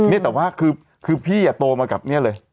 นี่แต่ว่าคือพี่โตมากับเนี่ยเลย